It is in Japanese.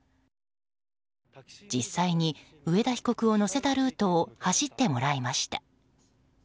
実際に上田被告を乗せたルートを走ってもらいました。